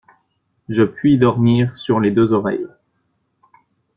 Je puis dormir sur les deux oreilles!